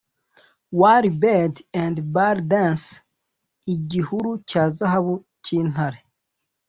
whalebed and bulldance, igihuru cya zahabu cyintare,